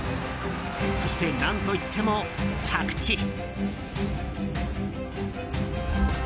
そして、何といっても着地。